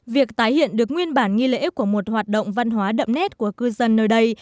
việc tái hiện được nguyên bản nghi lễ của một hoạt động văn hóa đậm nét của cư dân nơi đây